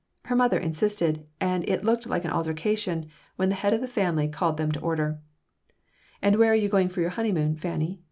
Her mother insisted, and it looked like an altercation, when the head of the family called them to order "And where are you going for your honeymoon, Fanny?"